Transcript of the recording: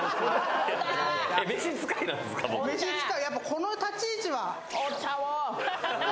この立ち位置は。